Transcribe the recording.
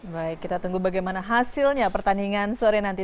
baik kita tunggu bagaimana hasilnya pertandingan sore nanti